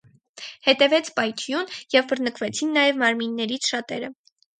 Հետևեց պայթյուն և բռնկվեցին նաև մարմիններից շատերը։